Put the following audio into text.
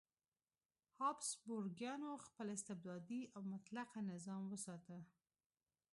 هابسبورګیانو خپل استبدادي او مطلقه نظام وساته.